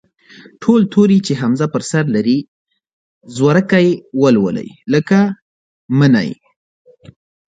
ټول توري چې همزه پر سر لري، زورکی ولولئ، لکه: مٔنی.